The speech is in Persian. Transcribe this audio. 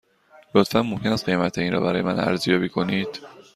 لطفاً ممکن است قیمت این را برای من ارزیابی کنید؟